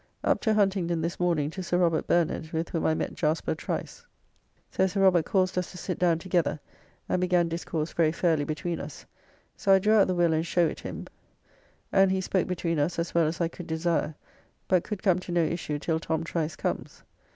Up to Huntingdon this morning to Sir Robert Bernard, with whom I met Jaspar Trice. So Sir Robert caused us to sit down together and began discourse very fairly between us, so I drew out the Will and show it him, and [he] spoke between us as well as I could desire, but could come to no issue till Tom Trice comes.